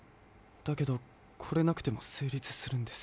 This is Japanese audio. だけどこれなくてもせいりつするんです。